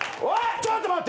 ちょっと待って！